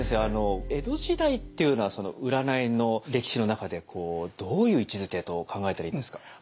あの江戸時代っていうのは占いの歴史の中でどういう位置づけと考えたらいいんですか。